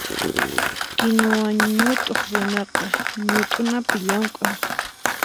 Kinuwa ñutuq runaqa ñutunapi llamk'an.